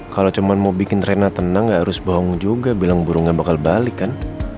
kalau cuma mau bikin rena tenang gak harus bohong juga bilang burungnya bakal balik kan